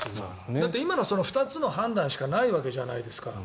だって今の２つの判断しかないわけじゃないですか。